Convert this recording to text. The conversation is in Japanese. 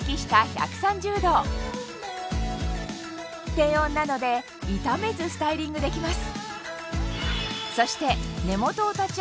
低温なので傷めずスタイリングできます